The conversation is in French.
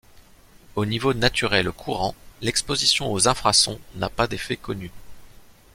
Aux niveaux naturels courants, l'exposition aux infrasons n'a pas d'effets connus.